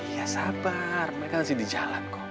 ya sabar mereka masih di jalan kok